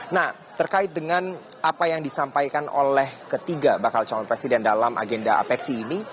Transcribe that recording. nah terkait dengan apa yang disampaikan oleh ketiga bakal calon presiden dalam agenda apeksi ini